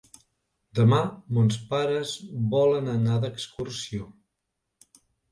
Demà mons pares volen anar d'excursió.